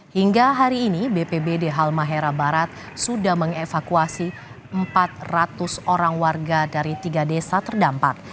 hingga hari ini bpbd halmahera barat sudah mengevakuasi empat ratus orang warga dari tiga desa terdampak